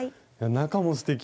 中もすてき。